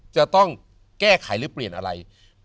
จะต้องแก้ไขหรือเปลี่ยนอะไร